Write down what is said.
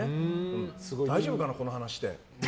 大丈夫かな、この話して。